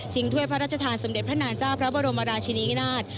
ถ้วยพระราชทานสมเด็จพระนางเจ้าพระบรมราชินินาศ